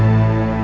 jangan bawa dia